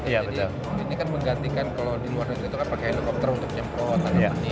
jadi ini kan menggantikan kalau di luar negeri itu kan pakai helikopter untuk menyemprot